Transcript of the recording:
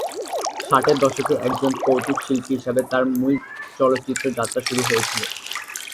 ষাটের দশকে একজন কৌতুক-শিল্পী হিসেবে তার মূল চলচ্চিত্র যাত্রা শুরু হয়েছিলো।